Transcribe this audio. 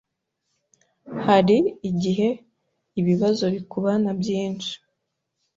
Hari igihe ibibazo bikubana byinshi,